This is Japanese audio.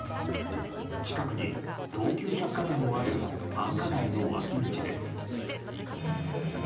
近くに東急百貨店もある繁華街の脇道です。